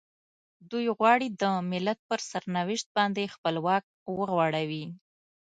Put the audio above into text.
دوی غواړي د ملت پر سرنوشت باندې خپل واک وغوړوي.